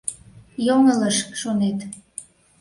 — Йоҥылыш шонет.